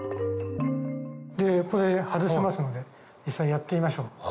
これ外せますので実際やってみましょう。